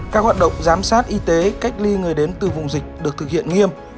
các hoạt động giám sát y tế cách ly người đến từ vùng dịch được thực hiện nghiêm